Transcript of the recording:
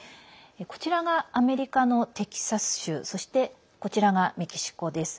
こちらがアメリカのテキサス州そして、こちらがメキシコです。